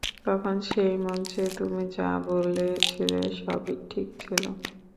তখন সেই মঞ্চে তুমি যা বলছিলে সবই ঠিক ছিল।